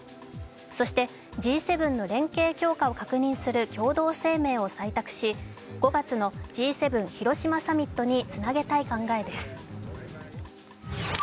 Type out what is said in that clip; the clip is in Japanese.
そしてＧ７の連携強化を確認する共同声明を採択し５月のＧ７広島サミットにつなげたい考えです。